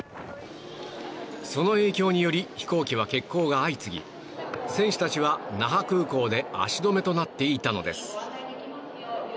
その影響により飛行機は欠航が相次ぎ選手たちは那覇空港で足止めとなっていたのです。